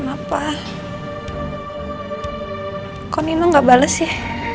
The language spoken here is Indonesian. maksudnya tiada ke mallaha